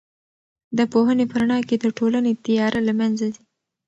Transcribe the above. د پوهنې په رڼا کې د ټولنې تیاره له منځه ځي.